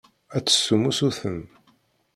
Ad d-tessum usuten.